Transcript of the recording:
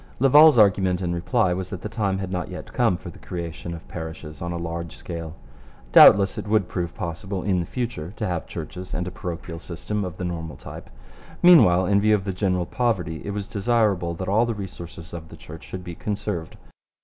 Laval's argument in reply was that the time had not yet come for the creation of parishes on a large scale. Doubtless it would prove possible in the future to have churches and a parochial system of the normal type. Meanwhile, in view of the general poverty it was desirable that all the resources of the Church should be conserved.